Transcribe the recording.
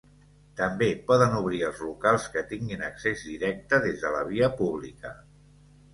També poden obrir els locals que tinguin accés directe des de la via pública.